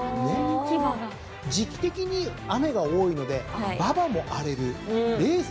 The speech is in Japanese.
時季的に雨が多いので馬場も荒れるレースも荒れる。